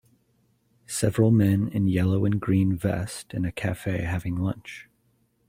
Several men in yellow and green vest in a cafe having lunch.